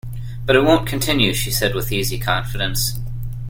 But it won't continue, she said with easy confidence.